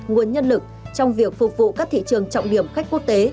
nguồn nhân lực trong việc phục vụ các thị trường trọng điểm khách quốc tế